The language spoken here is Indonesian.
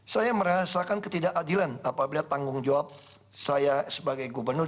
saya merasakan ketidakadilan apabila tanggung jawab saya sebagai gubernur